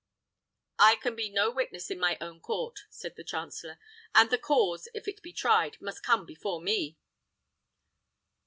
"I can be no witness in my own court," said the chancellor; "and the cause, if it be tried, must come before me."